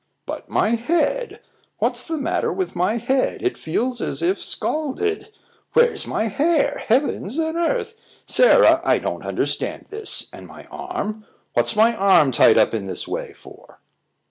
"But my head! What's the matter with my head? It feels as if scalded. Where's my hair? Heavens and earth! Sarah, I don't understand this. And my arm? What's my arm tied up in this way for?"